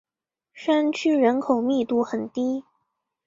山区人口密度很低。